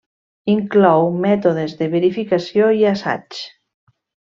Inclou mètodes de verificació i assaig.